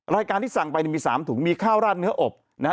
รายการที่สั่งไปมี๓ถุงมีข้าวราดเนื้ออบนะฮะ